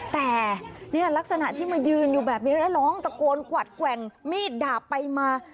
แต่เนี่ยลักษณะที่มายืนอยู่แบบนี้แล้วร้องตะโกนกวัดแกว่งมีดดาบไปมา